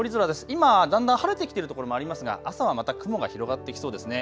今、だんだん晴れてきてるところもありますが朝はまた雲が広がってきそうですね。